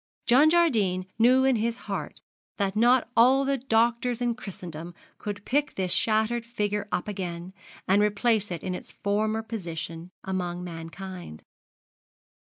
John Jardine knew in his heart that not all the doctors in Christendom could pick this shattered figure up again, and replace it in its former position among mankind.